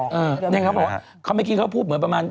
เดี๋ยวมึงเขาพูดเขาไม่คิดเขาพูดเหมือนประมาณ